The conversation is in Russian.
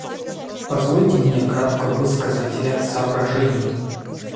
Позвольте мне кратко высказать ряд соображений.